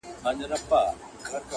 • د ریشتیا پر میدان ټوله دروغجن یو -